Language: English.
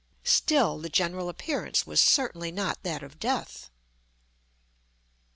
Still, the general appearance was certainly not that of death.